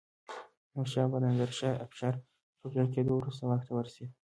احمدشاه بابا د نادر افشار تر وژل کېدو وروسته واک ته ورسيد.